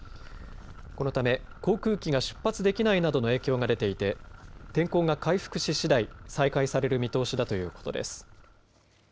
このため航空機が出発できないなどの影響が出ていて天候が回復ししだい再開される見通しだということです。